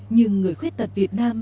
nhưng người khuyết tật việt nam